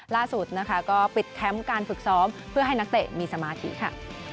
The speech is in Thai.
ล่าสุดนะคะก็ปิดแคมป์การฝึกซ้อมเพื่อให้นักเตะมีสมาธิค่ะ